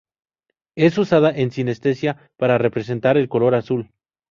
Es usada en sinestesia para representar el color azul.